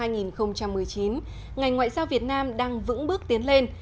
ngành ngoại giao việt nam đang vững bước tiến lên